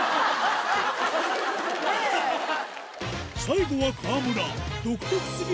最後は川村イ。